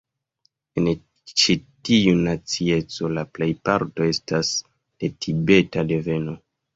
En ĉi tiu nacieco la plejparto estas de Tibeta deveno.